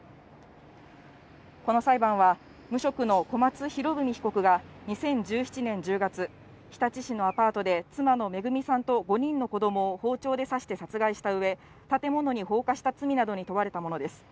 この裁判は、無職の小松博文被告が２０１７年１０月、日立市のアパートで、妻の恵さんと５人の子どもを包丁で刺して殺害したうえ、建物に放火した罪などに問われたものです。